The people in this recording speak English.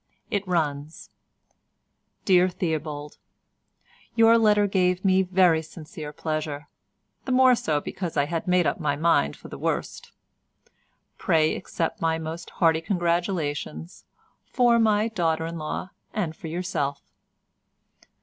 It runs: "Dear Theobald,—Your letter gave me very sincere pleasure, the more so because I had made up my mind for the worst; pray accept my most hearty congratulations for my daughter in law and for yourself.